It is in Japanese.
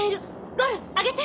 ゴル上げて！